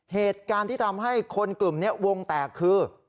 เหตุการณ์ที่ทำให้คนกลุ่มนี้วงแตกคือ